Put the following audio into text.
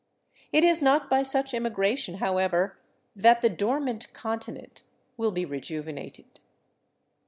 It is not by such immigration, however, that the dormant continent will be rejuvenated.